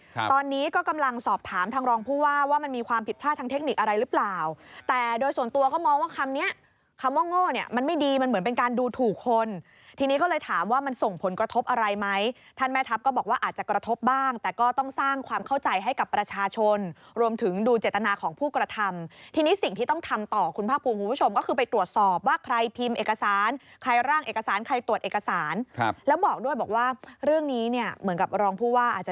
ตอนนี้ก็กำลังสอบถามทางรองผู้ว่าว่ามันมีความผิดพลาดทางเทคนิคอะไรหรือเปล่าแต่โดยส่วนตัวก็มองว่าคำเนี้ยคำว่างโง่เนี้ยมันไม่ดีมันเหมือนเป็นการดูถูกคนทีนี้ก็เลยถามว่ามันส่งผลกระทบอะไรไหมท่านแม่ทับก็บอกว่าอาจจะกระทบบ้างแต่ก็ต้องสร้างความเข้าใจให้กับประชาชนรวมถึงดูเจตนา